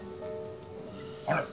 あれ？